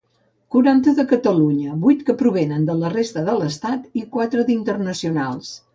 Quaranta de Catalunya, vuit que provenen de la resta de l'Estat, i quatre d'internacionals.